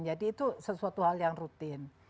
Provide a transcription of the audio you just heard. jadi itu sesuatu hal yang rutin